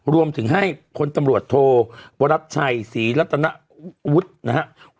รวมถึงให้พลตำรวจโทวรัชชัยศรีรัตนวุฒินะครับ